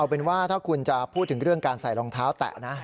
เป็นว่าถ้าคุณจะพูดถึงเรื่องการใส่รองเท้าแตะนะ